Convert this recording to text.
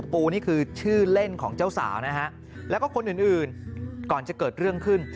ปูนี่คือชื่อเล่นของเจ้าสาวนะฮะแล้วก็คนอื่นก่อนจะเกิดเรื่องขึ้น